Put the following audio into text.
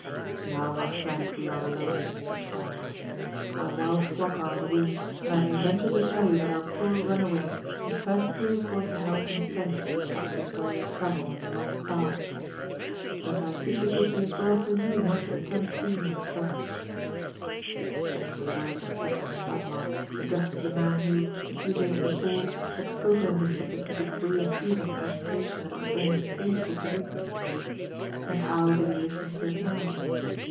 Now, my friend, we are alone,*' said Steinmark, my wild flock are on the wing, and I may venture to tell you that our poor runaway is perfectly restored to health and strength after his weary travel and long fslst ; but I think it would be as well for you not to alttfmpt seeing bini at |)resent/' Such were the words of Frederick Steinmark, addressed to the man who, a few days before, bad spoken on this subject with a degree of feeling and agitation that it was almost painful lo witness. And how did he listen lo il now?